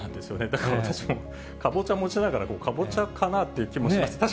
だから私もかぼちゃ持ちながら、かぼちゃかなという気もします。